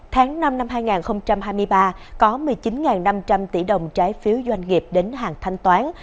tháng năm năm hai nghìn hai mươi ba có một mươi chín năm trăm linh tỷ đồng trái phiếu doanh nghiệp đến hàng thanh toán